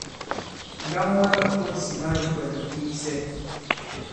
Ŋgaŋ wɛ ɔ̀ ko᷇s ŋsìma i ibwɛ̀lɛ̀k di misɛ.